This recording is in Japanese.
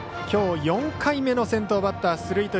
きょう３回目の先頭バッター出塁。